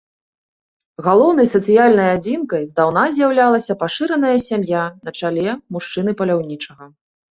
Галоўнай сацыяльнай адзінкай здаўна з'яўлялася пашыраная сям'я на чале мужчыны-паляўнічага.